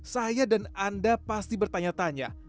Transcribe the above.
saya dan anda pasti bertanya tanya